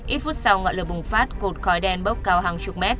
ít phút sau ngọn lửa bùng phát cột khói đen bốc cao hàng chục mét